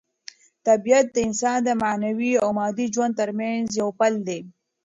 طبیعت د انسان د معنوي او مادي ژوند ترمنځ یو پل دی.